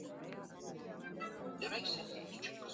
Vichemshe kwa dakika nnetanoviazi vyako